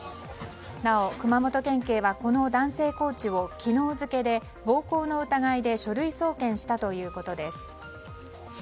なお、熊本県警はこの男性コーチを昨日付で暴行の疑いで書類送検したということです。